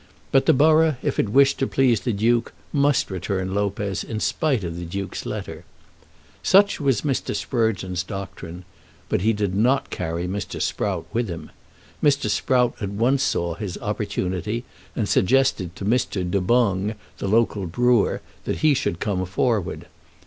But the borough, if it wished to please the Duke, must return Lopez in spite of the Duke's letter. Such was Mr. Sprugeon's doctrine. But he did not carry Mr. Sprout with him. Mr. Sprout at once saw his opportunity, and suggested to Mr. Du Boung, the local brewer, that he should come forward.